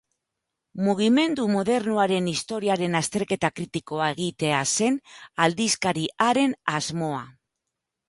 Mugimendu modernoaren historiaren azterketa kritikoa egitea zen aldizkari haren asmoa.